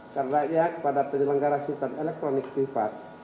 karena ya kepada penyelenggara sistem elektronik privat